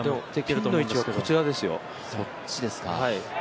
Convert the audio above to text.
ピンの位置はこちらですよ。